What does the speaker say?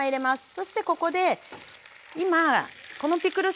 そしてここで今このピクルス